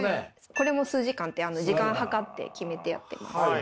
これも数時間って時間測って決めてやってます。